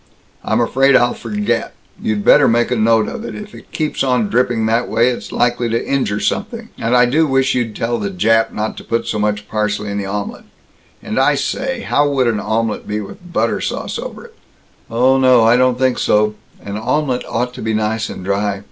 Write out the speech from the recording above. "I'm afraid I'll forget. You better make a note of it. If it keeps on dripping that way, it's likely to injure something. And I do wish you'd tell the Jap not to put so much parsley in the omelet. And I say, how would an omelet be with a butter sauce over it?" "Oh, no, I don't think so. An omelet ought to be nice and dry.